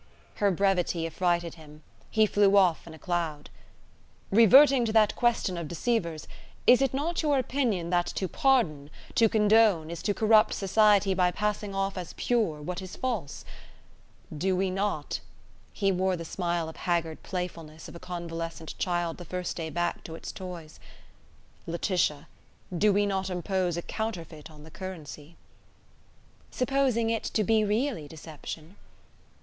Her brevity affrighted him. He flew off in a cloud. "Reverting to that question of deceivers: is it not your opinion that to pardon, to condone, is to corrupt society by passing off as pure what is false? Do we not," he wore the smile of haggard playfulness of a convalescent child the first day back to its toys, "Laetitia, do we not impose a counterfeit on the currency?" "Supposing it to be really deception."